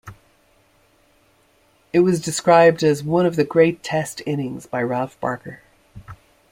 It was described as "one of the great Test innings" by Ralph Barker.